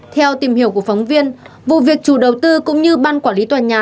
theo tìm hiểu của phóng viên vụ việc chủ đầu tư cũng như ban quản lý tòa nhà